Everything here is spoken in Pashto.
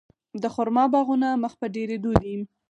د خرما باغونه مخ په ډیریدو دي.